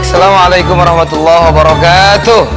assalamualaikum warahmatullahi wabarakatuh